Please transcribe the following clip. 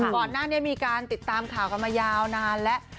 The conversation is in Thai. ก่อนหน้านี้มีการติดตามข่าวกันมายาวนานแล้ว